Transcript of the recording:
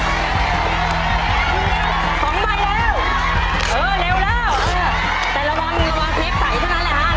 สองวันแล้วเออเร็วแล้วเออแต่ละวันระวังเทปใสเท่านั้นแหละฮะ